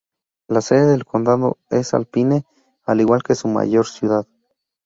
La sede del condado es Alpine, al igual que su mayor ciudad.